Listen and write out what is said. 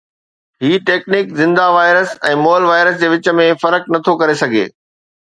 هي technique زنده virus ۽ مئل virus جي وچ ۾ فرق نٿو ڪري سگهي